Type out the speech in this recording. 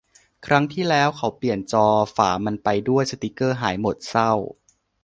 ครั้งที่แล้วเขาเปลี่ยนจอ ฝามันไปด้วย สติกเกอร์หายหมด เศร้า